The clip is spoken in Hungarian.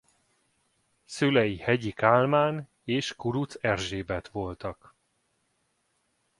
Szülei Hegyi Kálmán és Kurucz Erzsébet voltak.